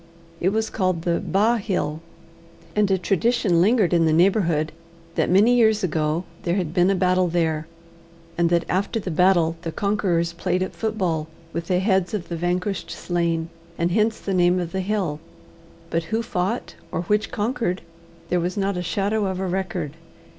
It was called the Ba' Hill, and a tradition lingered in the neighbourhood that many years ago there had been a battle there, and that after the battle the conquerors played at football with the heads of the vanquished slain, and hence the name of the hill; but who fought or which conquered, there was not a shadow of a record.